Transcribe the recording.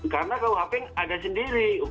karena kalau hp ada sendiri